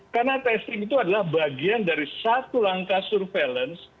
karena testing itu adalah bagian dari satu langkah surveillance